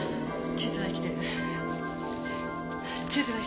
地図は生きてる。